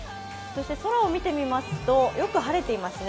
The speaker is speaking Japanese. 空を見てみますと、よく晴れていますね。